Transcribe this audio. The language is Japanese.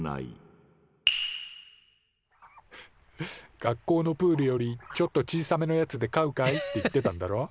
「学校のプールよりちょっと小さめのやつで飼うかい？」って言ってたんだろ？